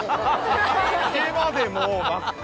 ひげまでもう真っ赤！